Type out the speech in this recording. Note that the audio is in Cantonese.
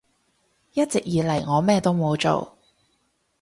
一直以嚟我咩都冇做